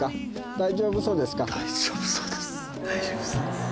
大丈夫そうですか？